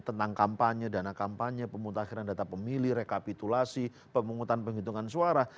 tentang kampanye dana kampanye pemutakhiran data pemilih rekapitulasi pemungutan penghitungan suara